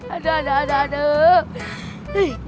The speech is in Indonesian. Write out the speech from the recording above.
aduh aduh aduh